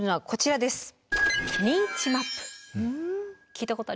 こちらです。